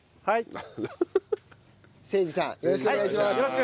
はい。